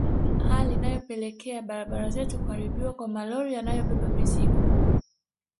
Hali inayopelekea barabara zetu kuharibiwa kwa malori yanayobeba mizigo